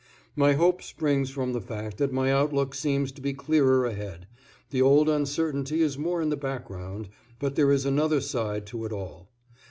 My hope springs from the fact that my outlook seems to be clearer ahead, the old uncertainty is more in the background, but there is another side to it all.